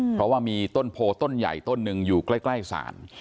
เพราะว่ามีต้นโพต้นใหญ่ต้นหนึ่งอยู่ใกล้ศาล